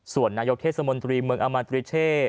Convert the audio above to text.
ส่วนนายกเทศมนตรีเมืองอามาตริเช่